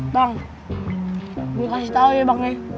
bang gue kasih tau ya bang